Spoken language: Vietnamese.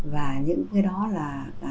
và những cái đó là